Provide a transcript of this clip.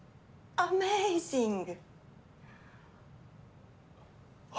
アメイジング！